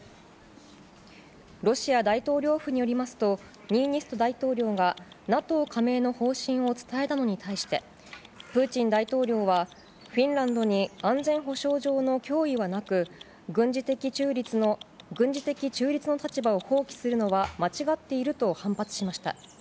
ロシア大統領府によりますと、ニーニスト大統領がＮＡＴＯ加盟の方針を伝えたのに対して、プーチン大統領は、フィンランドに安全保障上の脅威はなく、軍事的中立の立場を放棄するのは間違っていると反発しました。